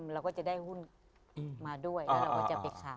เราก็จะได้หุ้นมาด้วยแล้วเราก็จะไปขาย